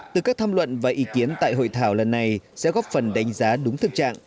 từ các tham luận và ý kiến tại hội thảo lần này sẽ góp phần đánh giá đúng thực trạng